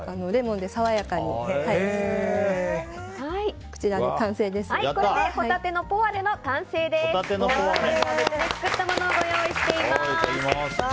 皆様には別で作ったものをご用意しています。